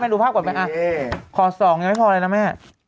ดูภาพก่อนไหมขอ๒ยังไม่พอเลยนะแม่